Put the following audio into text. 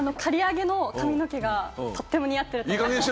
刈り上げの髪の毛がとっても似合っています。